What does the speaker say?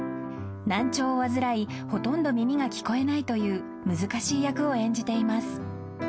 ［難聴を患いほとんど耳が聞こえないという難しい役を演じています］